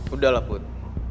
udah lah put